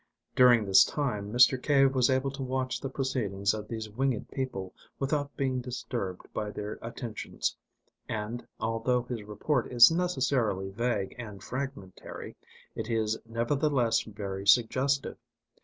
During this time Mr. Cave was able to watch the proceedings of these winged people without being disturbed by their attentions, and, although his report is necessarily vague and fragmentary, it is nevertheless very suggestive.